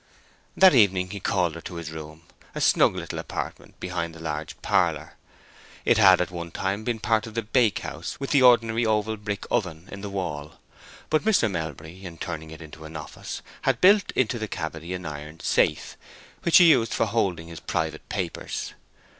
That evening he called her into his room, a snug little apartment behind the large parlor. It had at one time been part of the bakehouse, with the ordinary oval brick oven in the wall; but Mr. Melbury, in turning it into an office, had built into the cavity an iron safe, which he used for holding his private papers.